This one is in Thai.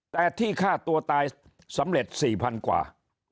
แต่ที่ฆ่าตัวตายสำเร็จ๔๐๐๐กว่า